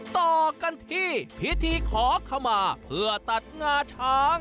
ต่อกันที่พิธีขอขมาเพื่อตัดงาช้าง